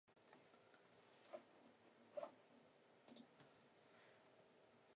선비 어머니는 좌우로 머리를 흔들다가 마침내 뜨거운 물을 몇 모금 마시고 도로 누웠다.